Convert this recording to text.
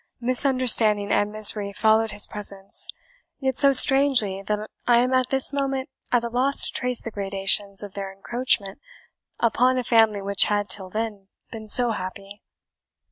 "Misunderstanding and misery followed his presence, yet so strangely that I am at this moment at a loss to trace the gradations of their encroachment upon a family which had, till then, been so happy.